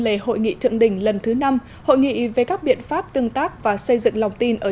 lề hội nghị thượng đỉnh lần thứ năm hội nghị về các biện pháp tương tác và xây dựng lòng tin ở